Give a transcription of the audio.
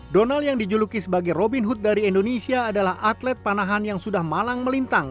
donald yang dijuluki sebagai robin hood dari indonesia adalah atlet panahan yang sudah malang melintang